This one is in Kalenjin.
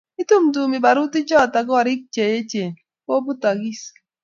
itumtumi barutichoto korik che echen kobutokis